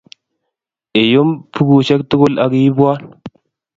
Iyum bukusyek tugul ak iibwon.